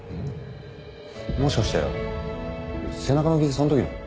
もしかして背中の傷そんときの？